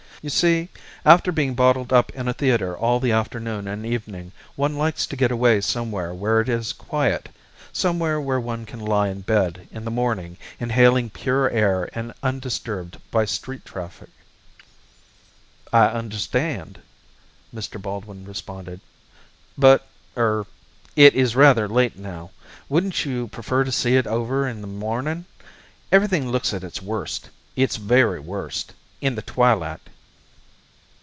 You see, after being bottled up in a theatre all the afternoon and evening, one likes to get away somewhere where it is quiet somewhere where one can lie in bed in the morning inhaling pure air and undisturbed by street traffic." "I understand," Mr. Baldwin responded, "but er it is rather late now; wouldn't you prefer to see over it in the morning? Everything looks at its worst its very worst in the twilight."